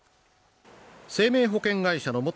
生命保険会社の元